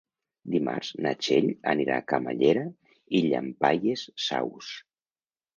Dimarts na Txell anirà a Camallera i Llampaies Saus.